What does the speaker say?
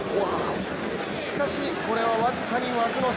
しかし、これは僅かに枠の外。